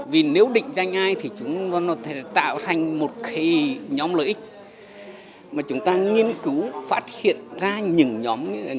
vì nếu định danh ai thì chúng ta có thể tạo thành một cái nhóm lợi ích mà chúng ta nghiên cứu phát triển ra những nhóm